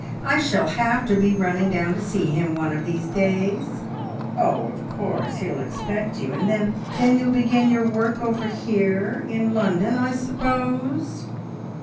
I shall have to be running down to see him one of these days." "Oh, of course; he'll expect you. And then then you'll begin your work over here. In London, I suppose?"